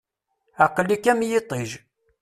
Aqel-ik am yiṭij.